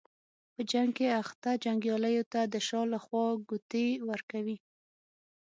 په جنګ کې اخته جنګیالیو ته د شا له خوا ګوتې ورکوي.